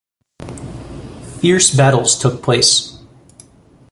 Fierce battles took place.